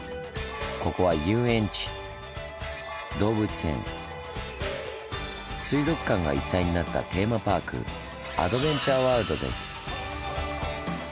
ここは遊園地動物園水族館が一体になったテーマパークアドベンチャーワールドです。